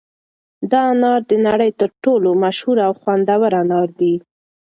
دا انار د نړۍ تر ټولو مشهور او خوندور انار دي.